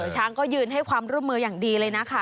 ช้างก็ยืนให้ความร่วมมืออย่างดีเลยนะคะ